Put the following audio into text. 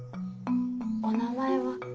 お名前は。